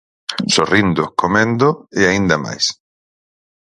Sorrindo, comendo, e aínda máis.